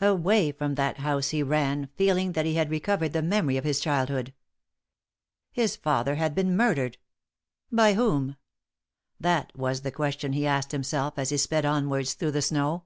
Away from that house he ran, feeling that he had recovered the memory of his childhood. His father had been murdered. By whom? That was the question he asked himself as he sped onwards through the snow.